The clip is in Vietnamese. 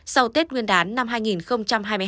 sau tết nguyên đán năm hai nghìn hai mươi bốn